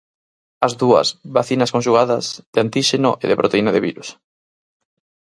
As dúas, "vacinas conxugadas" de antíxeno e de proteína de virus.